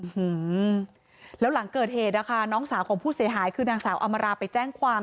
หือแล้วหลังเกิดเหตุนะคะน้องสาวของผู้เสียหายคือนางสาวอำมาราไปแจ้งความ